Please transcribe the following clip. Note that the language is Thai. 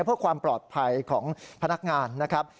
เพื่อความปลอดภัยของพนักงานนะครับ